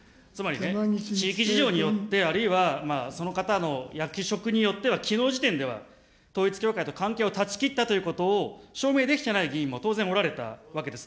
地域事情によってあるいはその方の役職によっては、きのう時点では、統一教会と関係を断ち切ったということを証明できてない議員も当然おられたわけです。